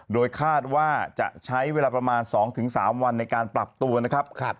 โดยคาดว่าจะใช้เวลาประมาณ๒๓วันในการปรับตัวนะครับ